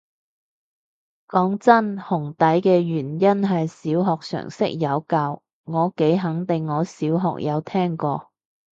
講真，紅底嘅原因係小學常識有教，我幾肯定我小學有聽過